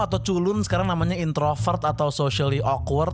atau culun sekarang namanya introvert atau socially awkward